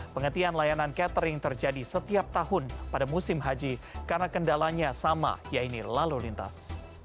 pengetian layanan catering terjadi setiap tahun pada musim haji karena kendalanya sama yaitu lalu lintas